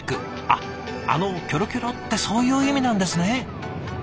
あっあのキョロキョロってそういう意味なんですね。